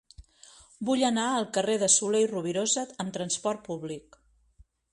Vull anar al carrer de Soler i Rovirosa amb trasport públic.